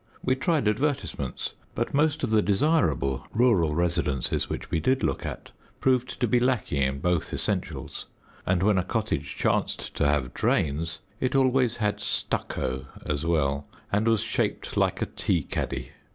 We tried advertisements, but most of the desirable rural residences which we did look at proved to be lacking in both essentials, and when a cottage chanced to have drains it always had stucco as well and was shaped like a tea caddy.